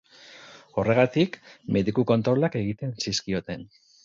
Horregatik, mediku-kontrolak egiten zizkioten.